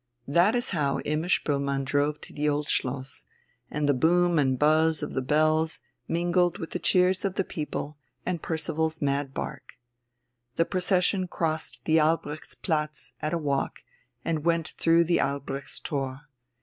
That is how Imma Spoelmann drove to the Old Schloss, and the boom and buzz of the bells mingled with the cheers of the people and Percival's mad bark. The procession crossed the Albrechtsplatz at a walk and went through the Albrechtstor.